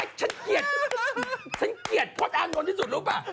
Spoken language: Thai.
ฉันเกลียดฉันเกลียดพลตอานนท์ที่สุดรู้ป่ะ